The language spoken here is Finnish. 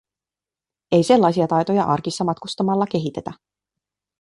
Ei sellaisia taitoja arkissa matkustamalla kehitetä.